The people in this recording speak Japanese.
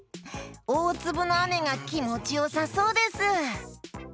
おおつぶのあめがきもちよさそうです！